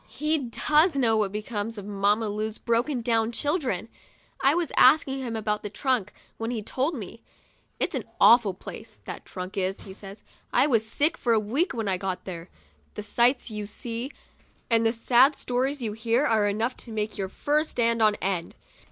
He does know what becomes of Mamma Lu's broken down children. I was asking him about the trunk, when he told me. " It's an awful place, that trunk is," he said. " I was sick for a week when I got there. The sights you see and the sad stories you hear are enough to make your fur stand on end."